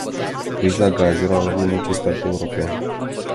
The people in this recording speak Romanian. Criza gazelor a lovit multe state europene.